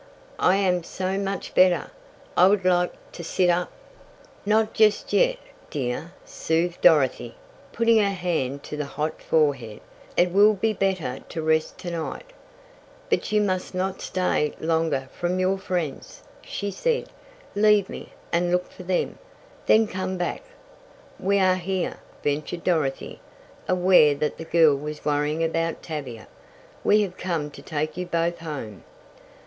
"I am so much better. I would like to sit up." "Not just yet, dear," soothed Dorothy, putting her hand to the hot forehead. "It will be better to rest to night." "But you must not stay longer from your friends," she said. "Leave me, and look for them. Then come back." "We are here," ventured Dorothy, aware that the girl was worrying about Tavia. "We have come to take you both home."